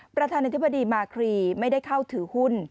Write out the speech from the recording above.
ประธานาธิบดีมาครีไม่ได้เข้าถือหุ้น